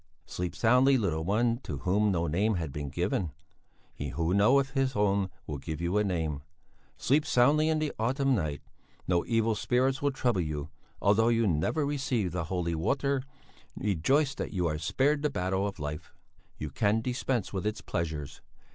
"Sleep soundly, little one, to whom no name had been given. He who knoweth His own will give you a name; sleep soundly in the autumn night, no evil spirits will trouble you, although you never received the holy water; rejoice that you are spared the battle of life; you can dispense with its pleasures.